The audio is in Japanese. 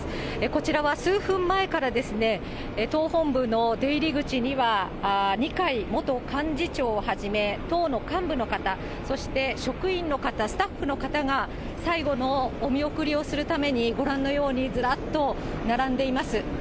こちらは数分前から党本部の出入り口には、二階元幹事長をはじめ、党の幹部の方、そして職員の方、スタッフの方が最後のお見送りをするために、ご覧のようにずらっと並んでいます。